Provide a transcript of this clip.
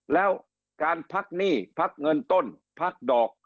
แล้วการพักหนี้พักเงินต้นพักดอก